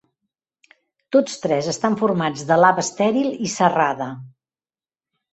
Tots tres estan formats de lava estèril i serrada.